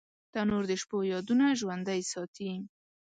تنور د شپو یادونه ژوندۍ ساتي